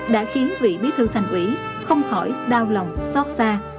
đã khiến vị bí thư thành ủy không khỏi đau lòng xót xa